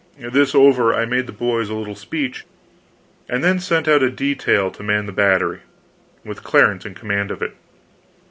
This over, I made the boys a little speech, and then sent out a detail to man the battery, with Clarence in command of it.